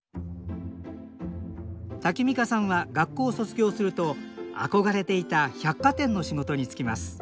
タキミカさんは学校を卒業すると憧れていた百貨店の仕事に就きます。